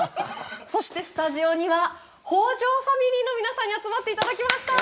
そしてスタジオには北条ファミリーの皆さんに集まっていただきました。